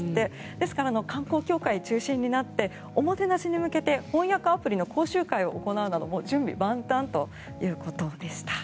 ですから観光協会中心になっておもてなしに向けて翻訳アプリの講習会を行うなど準備万端ということでした。